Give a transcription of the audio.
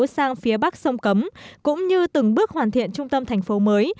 sang phía bắc sông cấm cũng như từng bước hoàn thiện trung tâm thành phố mới